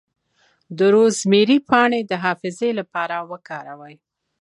د روزمیری پاڼې د حافظې لپاره وکاروئ